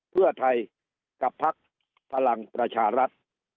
เพื่อไทยกับพักพลังประชารัฐ